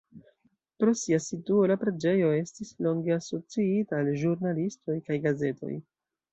Pro sia situo, la preĝejo estis longe asociita al ĵurnalistoj kaj gazetoj.